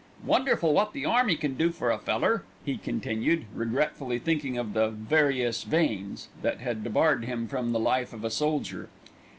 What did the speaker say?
Wonderful wot the army can do for a feller," he continued, regretfully thinking of the "various veins" that had debarred him from the life of a soldier.